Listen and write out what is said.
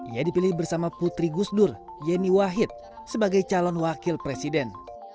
ia dipilih bersama putri gusdur yeni wahid sebagai calon wakil presiden